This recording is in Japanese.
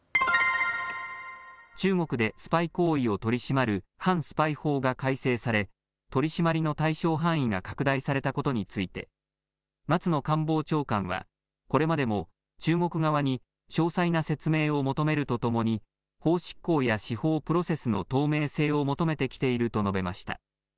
中国でスパイ行為を取り締まる反スパイ法が改正され取締りの対象範囲が拡大されたことについて松野官房長官はこれまでも中国側に詳細な説明を求めるとともに法執行や司法プロセスの透明性を求めてきていると述べました。